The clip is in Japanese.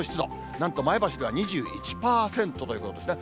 なんと前橋では２１％ということですね。